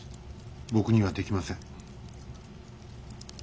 僕にはできません。